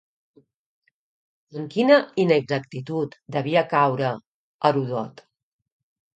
En quina inexactitud devia caure Heròdot?